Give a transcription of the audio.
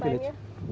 gak ada saya perfilis